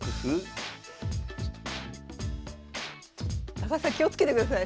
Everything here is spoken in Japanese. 高橋さん気をつけてください。